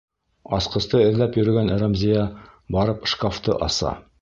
Асҡысты эҙләп йөрөгән Рәмзиә барып шкафты аса..